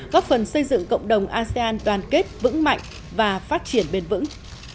góp phần xây dựng cộng đồng asean đoàn kết vững mạnh và phát triển bền vững